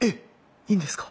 いいんですか？